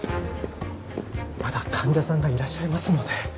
まだ患者さんがいらっしゃいますので。